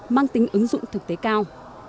mang tính ứng dụng thực tế cao